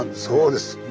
そうです。